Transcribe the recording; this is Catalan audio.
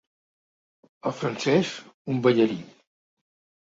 El francès, un ballarí.